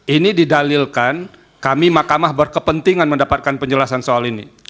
ini didalilkan kami mahkamah berkepentingan mendapatkan penjelasan soal ini